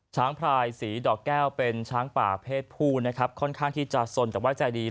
พลายสีดอกแก้วเป็นช้างป่าเพศผู้นะครับค่อนข้างที่จะสนแต่ว่าใจดี